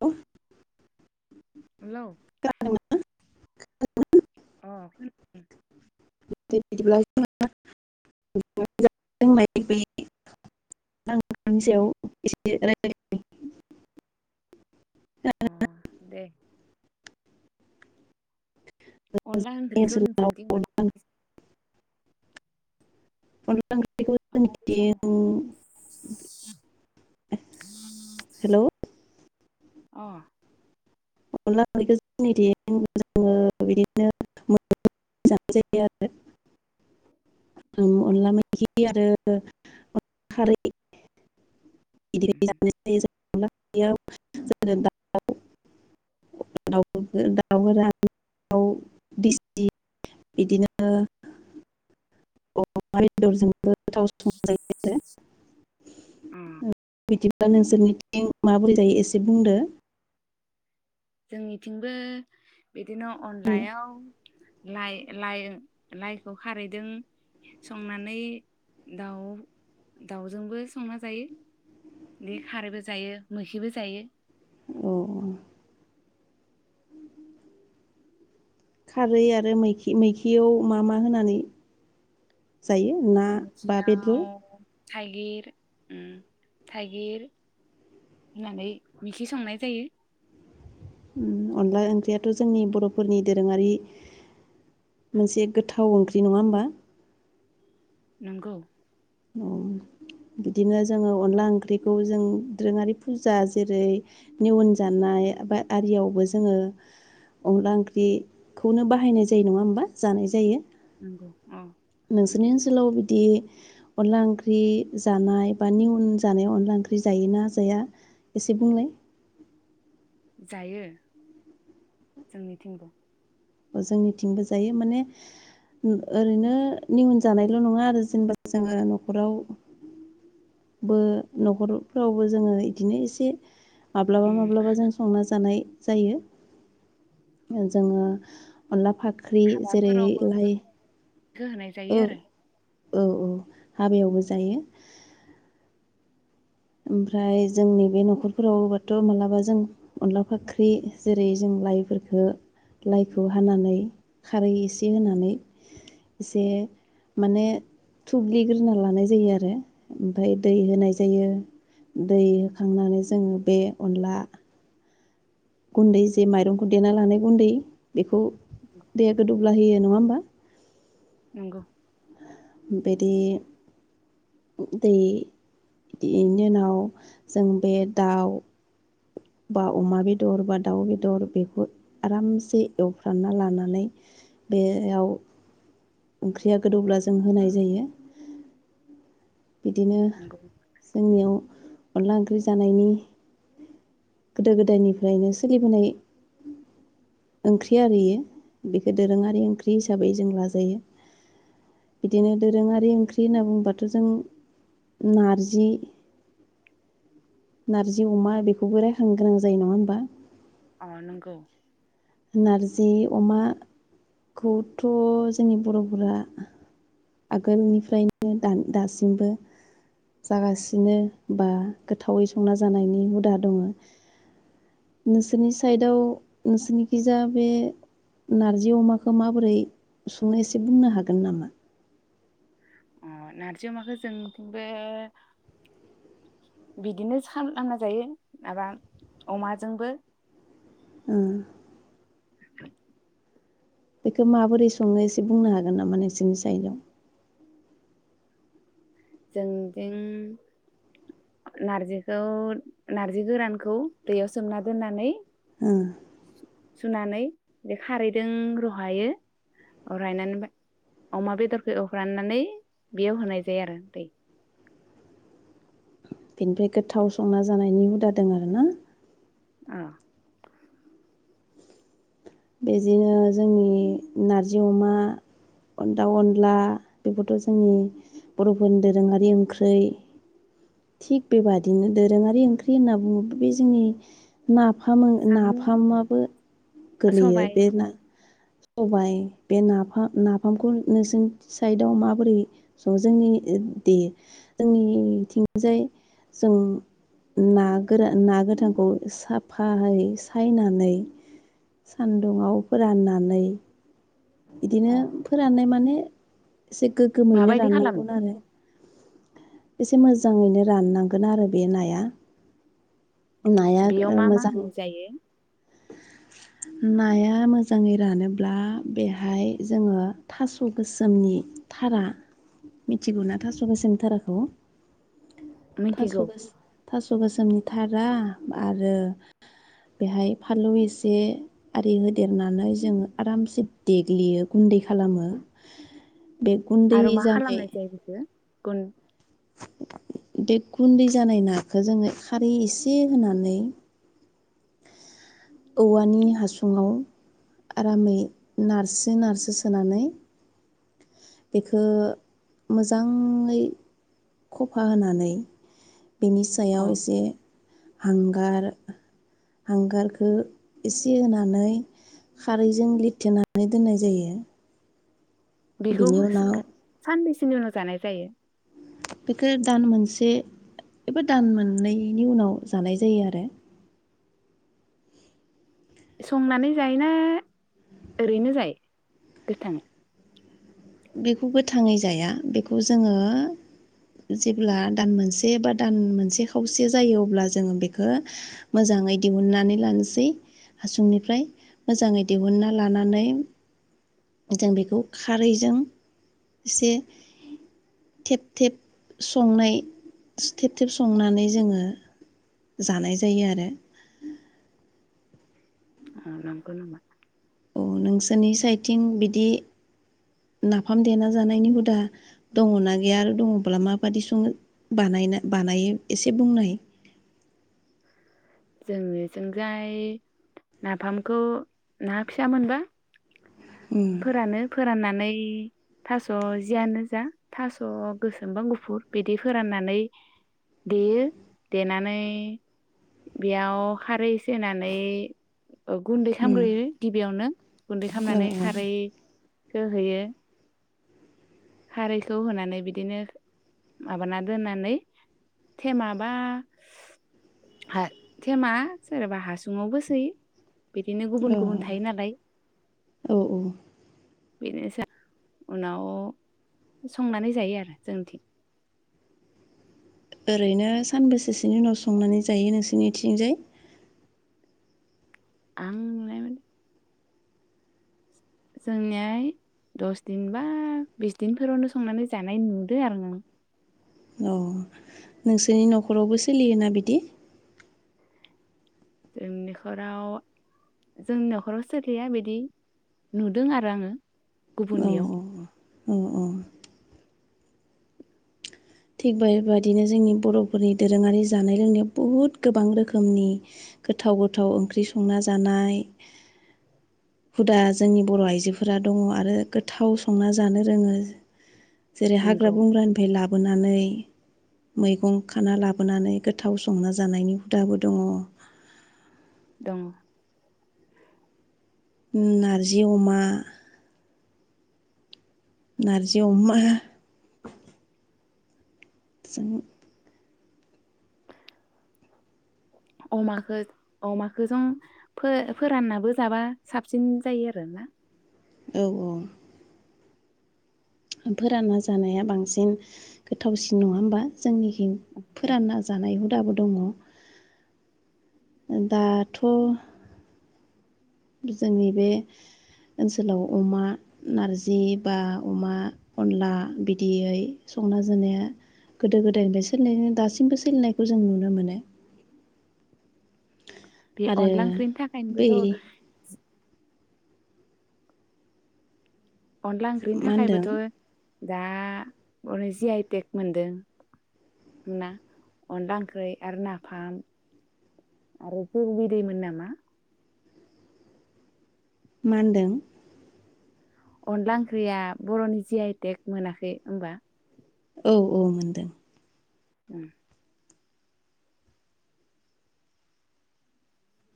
औ हेल' [inaudible] खौनादोंना खौनादों अ खौनादों बिदिब्ला जोंनाय ब सायाव एसे रायज्लायनो द [inaudible] अनला जोंनि ओंख्रिखौ जों ओनसोलाव अनला अनला ओंख्रिखौ [inaudible] जोंनिथिं हेलौ अ अनला ओंख्रैखौ जोंनि जोङो बिदिनो जानाय जायो आरो अ अनला मैखि आरो खारै बिदि [unintelligible] [unintelligible] दाउफोरा दउसि [unintelligible] इदिनो अमा बेदरजों गोथाव संजायो आरो। ओम बिदिब्ला नोंसोरनिथिं माबोरै जायो एसे बुंदो जोंनिथिंबो इदिनो बुंनो अनलायाव लाइ-लाइ-लाइखौ खारैदों संनानै दाउ दाउजोंबो संना जायो बे खारैबो जायो मोखिबो जायो अ खारै आरो मैखि मैखियाव मा मा होनानै जायो ना बा बेदर मैखियाव थाइगिर ओम थाइगिर होनानै मिखि संनाय जायो उम अनला ओंख्रियाथ' जोंनि बर'फोरनि दोरोङारि मोनसे गोथाव ओंख्रि नङा होमबा नोंगौ उम बिदिनो जोङो अनला ओंख्रिखौ जों दोरोङारि फुजा जेरै निवन जानाय बा आरियावबो जोङो अनला ओंख्रिखौनो बाहायनाय जायो नङा होमबा जानाय जायो नंगौ अ नोंसोरनि ओनसोलाव बिदि अनला ओंख्रि जानाय बा निउन जानायाव अनला ओंख्रि जायोना जाया एसे बुंलाय जायो जोंनिथिंबो जोंनिथिंबो जायो माने ओरैनो निउन जानायल' नङा आरो जेनेबा जोङो न'खराव-बो न'खरफ्रावबो जोङो इदिनो एसे माब्लाबा उम माब्लाबा जों संना जानाय जायो जोङो अनला फाख ख्रि जेरै लाइ इखो होनाय औ जायो आरो औ औ हाबायावबो जायो ओमफ्राय जोंनि बे न'खरफोराव होबाथ' मालाबा जों अनला फाख्रि जेरै जों लाइफोरखौ लाइखौ हानानै खारै एसे होनानै एसे माने थुब्लिग्रोना लानाय जायो आरो ओमफ्राय दै होनाय जायो दै होखांनानै जोङो बे अनला गुन्दै जे माइरंखौ देना लानाय गुन्दै बेखौ दैया गोदौब्ला होयो नङा होमबा नंगौ बिदि दै बेनि उनाव जों बे दाउ बा अमा बेदर बा दाउ बेदर बेखौ आरामसे एवफ्रामना लानानै बेयाव ओंख्रिया गोदौब्ला जों होनाय जायो बिदिनो नंगौ जोंनियाव अनला ओंख्रि जानायनि गोदो गोदायनिफ्रायनो सोलिबोनाय ओंख्रि आरो इयो बेखौ दोरोङारि ओंख्रि हिसाबै जों लाजायो बिदिनो दोरोङारि ओंख्रि होनना बुङोबाथ' जों नारजि नारजि अमा बेखौबो राय सांग्रां जायो नङा होमबा आ नगौ नारजि अमाखौथ' जोंनि बर'फोरा आगोलनिफ्रायनो दासिमबो जागासिनो बा गोथावै संना जानायनि हुदा दङ नोंसोरनि साइदआव नोंसोरनिखिजाया बे नारजि अमाखौ माबोरै संनो एसे बुंनो हागोन नामा ओ नारजि अमाखौ जोंथिंबो बिदिनो सानना जायो माबा अमाजोंबो ओम [unintelligible] बेखौ माबोरै सङो एसे बुंनो हागोन नामा नोंसोरनि साइडआव जोंनिथिं नारजिखौ नार्जि गोरानखौ दैयाव सोमना दोननानै ओम सुनानै बे खारैजों रहायो रहायनानै अमा बेदरखौ एव्राननानै बेयाव होनाय जायो आरो दै बेनिफ्राय गोथाव संना जानायनि हुदा दं आरो ना औ बेदिनो जोंनि नारजि अमा दाउ अनला बेखौथ' जोंनि बर'फोरनि दोरोङारि ओंख्रि थिग बेबादिनो दोरोङारि ओंख्रि होनना बुङोब्ला बे जोंनि ना नाफामो साम' नाफामाबो अ गोलैयो सबाय बे ना सबाय बे नाफाम नाफामखौ नोंसोरनि साइदआव माबोरै स जोंनि दे जोंनिथिंजाय जों ना गोरा ना गोथांखौ साफायै सायनानै सानदुंआव फोराननानै ए बिदिनो अ फोराननाय माने एसे गोग्गोमैनो माबायदि खालामो राननांगौ आरो एसे मोजाङैनो राननांगोन आरो बे नाया नाया बेयाव ओ मा मा मोजां होनाय जायो नाया मोजाङै रानोब्ला बेहाय जोङो थास' गोसोमनि थारा मिथिगौ ना थास' गोसोमनि थाराखौ मिथिगौ फास'गास फास थास' गोसोमनि थारा आरो बेहाय फानलौ एसे आरि होदेरनानै जोंङो आरामसे देग्लियो गुन्दै खालामो बे गुन्दै जानाय गन डेट गुन्दै जानाय नाखौ जोङो खारै एसे होनानै औवानि हासुङाव आरामै नारसो नारसो सोनानै बेखौ मोजाङै खफा होनानै बेनि अ सायाव एसे हांगार हांगार बेखौ एसे होनानै खारैजों लिरथेनानै दोननाय जायो बिखौ बेनि उनाव सानैसो [unintelligible] उनाव जानाय जायो बेखौ दान मोनसे एबा दान मोननैनि उनाव जानाय जायो आरो संनानै जायोना ओरैनो जायो गोथाङै बेखौ गोथाङै जाया बेखौ जोङो जेब्ला दान मोनसे बा दान मोनसे खावसे जायो अब्ला जोङो बेखौ मोजाङै दिहुननानै लानोसै हासुंनिफ्राय मोजाङै दिहुनना लानानै जों बेखौ खारैजों एसे थेब थेब संनाय थि थेब थेब संनानै जोङो जानाय जायो आरो आ रंखौ नामा अ नोंसोरनि साइडथिं बिदि नाफाम देना जानायनि हुदा दङना गैया आरो दङब्ला माबादि सङो बानायना बानायो एसे बुंनाय जोंनिथिंजाय नाफामखौ ना फिसा मोनबा उम फोरानो फोराननानै इ थास' जियानो जा थास' गोसोमबा गुफुर बिदि फोराननानै देयो देनानै बेयाव खारै इसे होनानै अ गुन्दै उम खालामग्रोयो गिबियावनो गुन्दै ओ खालामनानै खारै गोहैयो खारैखौ होनानै बिदिनो माबाना दोननानै थेमाबा थेमा सोरबा हासुंङावबोसै औ औ औ बेनोसै उनाव संनानै जायो आरो जोंथिं ओरैनो सानबैसेसोनि उनाव संनानै जायो नोंसोरनिथिंजाय आं नुनाय मोन। जोंनियाय दस दिन बा बिस दिनफोरावनो संनानै जानाय नुदों आरो नों अ नोंसोरनि नखरावबो सोलियोना बिदि जों नखराव जोंनि नखराव सोलिया बिदि नुदों आरो आङो औ गुबुननियाव। औ औ थिग बेबायदिनो जोंनि बर'फोरनि दोरोङारि जानाय थिग थिक बेबायदिनो जोंनि बर'फोरनि दोरोंङारि जानाय लोंनायाव बहुद गोबां रोखोमनि गोथाव गोथाव ओंख्रि संना जानाय हुदा जोंनि बर' आइजोफोरा दङ आरो गोथाव संना जानो रोङो जेरै हाग्रा नंगौ बंग्रानिफ्राय लाब नै मैगं खाना लाबोनानै गोथाव संना जानायनि हुदाबो दंङ। दंङ नारजि अमा नारजि अमा जों [unintelligible] अमाखौ अमाखौ जों फो-फोराननाबो जाबा साबसिन जायो आरो ना औ औ। फोरानना जानाया बांसिन गोथावसिन नंङा होमबा जोंनिखिं फोरानना जानाय हुदाबो दङ दाथ' जोंनि बे ओनसोलाव अमा नारजि बा अमा अनला बिदियै संना जानाया गोदो गोदायनिफ्राय सोलिनाय दासिमबो सोलिनायखौ जों नुनो मोनो बे आरो अनला ओंख्रिनि बै थाखायनोबोथ अनला ओंख्रिनि मा होनदों थाखायबोथ दा अे जि आइ टेक मोनदों ना अनला ओंख्रि आरो नाफाम आरो जौ बिदैमोन नामा? मा होनदों अनला ओंख्रिया बर'नि जि आइटेक मोनाखै होमबा? औ औ मोनदों उम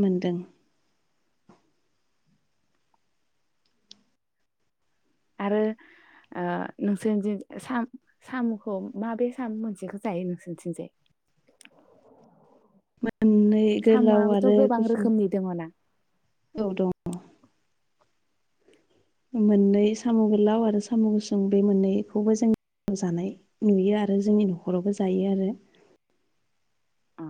मोनदों आरो ओ नोंसोरनि साम'खौ माबे साम' मोनसेखौ जायो नोंसोरनिथिंजाय? मोननै गोलाव साम'आबोथ' आरो गोबां गुसुं रोखोमनि दङ ना औ दङ मोननै साम' गोलाव आरो साम' गुसुं बे मोननैखौबो जों जानाय नुयो आरो जोंनि न'खरावबो जायो आरो अ